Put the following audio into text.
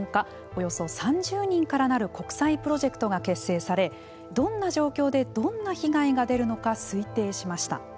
およそ３０人から成る国際プロジェクトが結成されどんな状況で、どんな被害が出るのか推定しました。